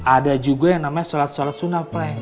ada juga yang namanya sholat sholat sunnah plan